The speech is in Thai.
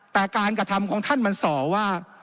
แต่การกระทำของท่านมันส่อว่า